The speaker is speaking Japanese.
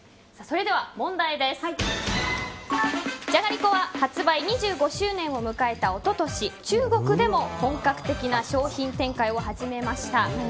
それでは問題、じゃがりこは発売２５周年を迎えた一昨年中国でも本格的な商品展開を始めました。